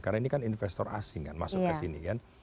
karena ini kan investor asing kan masuk ke sini kan